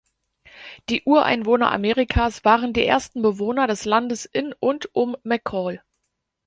Die Ureinwohner Amerikas waren die ersten Bewohner des Landes in und um McCall.